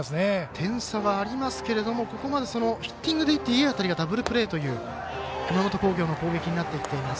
点差がありますけれどもここまでヒッティングではダブルプレーという熊本工業の攻撃になっています。